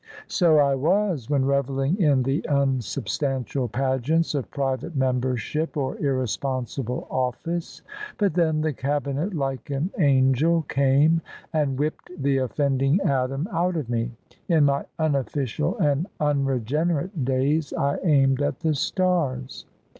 " So I was when revelling in the unsubstantial pageants of private membership or irresponsible oflSce. But then the Cabinet 'like an angel came, and whipped the offending Adam out of me.' In my unoflScial and unregenerate days I aimed at the stars."